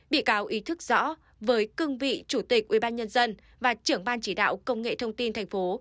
bị cáo ý thức rõ với cương vị chủ tịch ubnd và trưởng ban chỉ đạo công nghệ thông tin thành phố